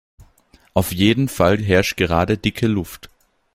Auf jeden Fall herrscht gerade dicke Luft.